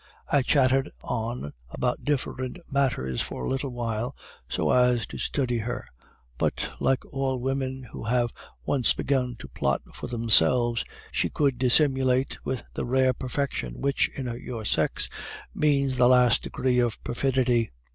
I chatted on about indifferent matters for a little while, so as to study her; but, like all women who have once begun to plot for themselves, she could dissimulate with the rare perfection which, in your sex, means the last degree of perfidy.